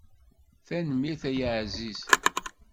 Tanemmirt ay aɛziz.